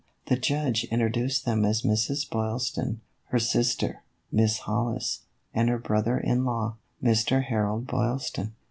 The judge introduced them as Mrs. Boylston, her sister, Miss Hollis, and her brother in law, Mr. Harold Boylston.